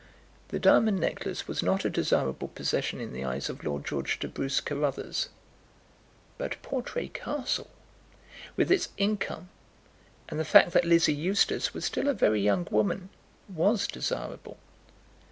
The diamond necklace was not a desirable possession in the eyes of Lord George de Bruce Carruthers; but Portray Castle, with its income, and the fact that Lizzie Eustace was still a very young woman, was desirable.